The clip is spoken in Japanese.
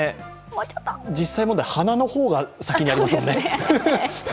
実際問題、鼻の方が先にありますもんね。